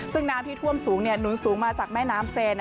ซึ่งน้ำที่ท่วมสูงหนุนสูงมาจากแม่น้ำเซ